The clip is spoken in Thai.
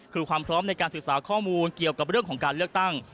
คือความพร้อมในการศึกษาข้อมูลเกี่ยวกับเรื่องของการเลือกตั้ง